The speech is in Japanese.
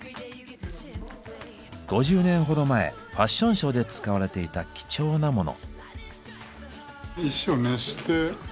５０年ほど前ファッションショーで使われていた貴重なモノ。